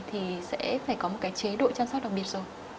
thì sẽ phải có một cái chế độ chăm sóc đặc biệt rồi